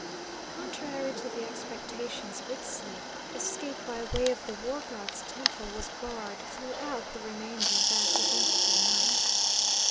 Contrary to the expectations of Ixtli escape by way of the War God's temple was barred throughout the remainder of that eventful night.